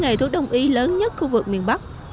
nghề thuốc đông y lớn nhất khu vực miền bắc